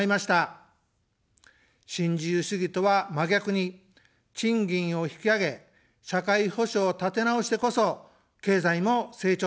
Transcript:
新自由主義とは、真逆に賃金を引き上げ、社会保障を立てなおしてこそ、経済も成長します。